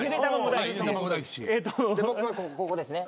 僕はここですね